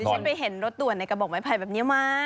ฉันไปเห็นรถด่วนในกระบอกไม้ไผ่แบบนี้มา